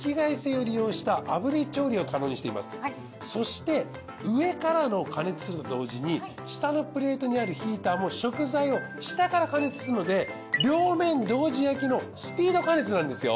そして上からの加熱するのと同時に下のプレートにあるヒーターも食材を下から加熱するので両面同時焼きのスピード加熱なんですよ。